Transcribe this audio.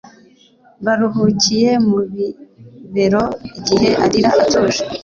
Baruhukiye mu bibero igihe arira atuje